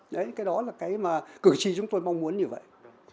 đấy cái đó là cái mà cực trì chúng tôi mong muốn như vậy